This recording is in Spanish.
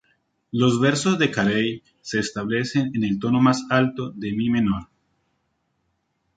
Los versos de Carey se establecen en el tono más alto de mi menor.